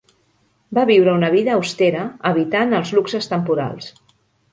Va viure una vida austera evitant els luxes temporals.